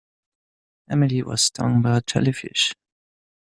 Emily was stung by a jellyfish.